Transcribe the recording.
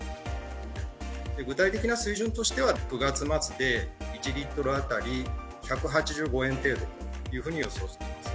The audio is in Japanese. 具体的な水準としては、９月末で１リットル当たり１８５円程度というふうに予想されます。